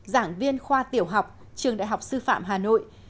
giảng viên khoa tiểu học trường đại học sư phạm hà nội